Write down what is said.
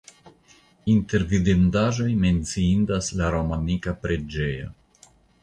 Inter vidindaĵoj menciindas la romanika preĝejo.